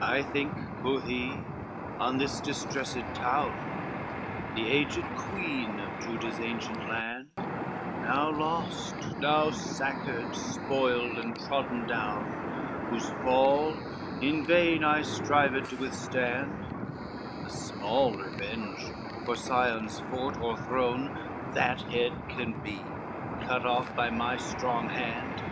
X "I think," quoth he, "on this distressed town, The aged Queen of Judah's ancient land, Now lost, now sacked, spoiled and trodden down, Whose fall in vain I strived to withstand, A small revenge for Sion's fort o'erthrown, That head can be, cut off by my strong hand."